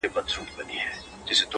ليري له بلا سومه!!چي ستا سومه!!